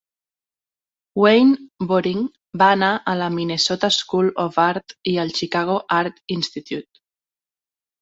Wayne Boring va anar a la Minnesota School of Art i al Chicago Art Institute.